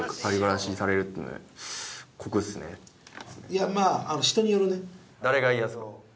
いやまあ人によるね。